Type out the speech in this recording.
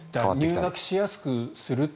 入学しやすくすると。